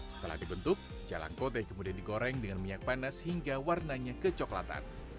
setelah dibentuk jalangkote kemudian digoreng dengan minyak panas hingga warnanya kecoklatan